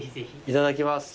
いただきます。